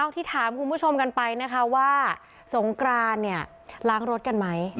ที่ถามคุณผู้ชมกันไปว่าสงกราลล้างรถกันไหม